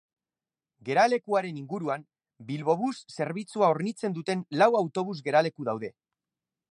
Geralekuaren inguruan Bilbobus zerbitzua hornitzen duten lau autobus geraleku daude.